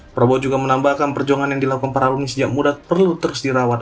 prabowo juga menambahkan perjuangan yang dilakukan para alumni sejak muda perlu terus dirawat